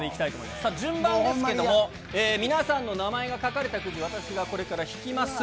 さあ、順番ですけれども、皆さんの名前が書かれたくじ、私がこれから引きます。